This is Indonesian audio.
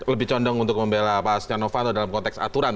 lebih condong untuk membela pak ascanowato dalam konteks aturan